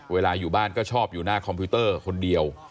อยู่บ้านก็ชอบอยู่หน้าคอมพิวเตอร์คนเดียว